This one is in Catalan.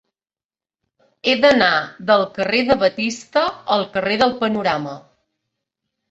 He d'anar del carrer de Batista al carrer del Panorama.